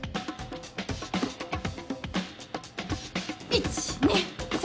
１・２・３。